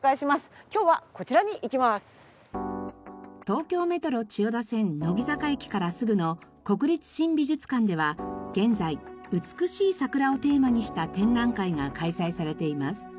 東京メトロ千代田線乃木坂駅からすぐの国立新美術館では現在美しい桜をテーマにした展覧会が開催されています。